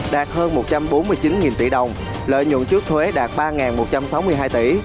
đạt hơn một trăm bốn mươi chín tỷ đồng lợi nhuận trước thuế đạt ba một trăm sáu mươi hai tỷ